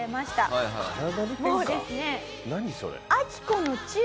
もうですね。